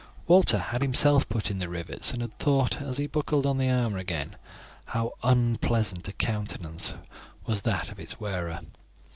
Walter had himself put in the rivets, and had thought, as he buckled on the armour again, how unpleasant a countenance was that of its wearer.